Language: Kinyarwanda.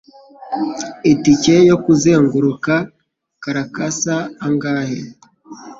Itike yo kuzenguruka Caracas angahe?